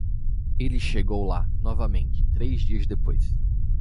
Ele chegou lá novamente três dias depois.